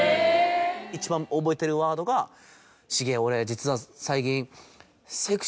一番覚えてるワードが「シゲ俺実は最近」。